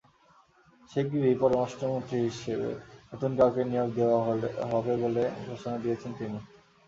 শিগগিরই পররাষ্ট্রমন্ত্রী হিসেবে নতুন কাউকে নিয়োগ দেওয়া হবে বলে ঘোষণা দিয়েছেন তিনি।